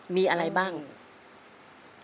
มีอะไรบ้างฮะไม่มี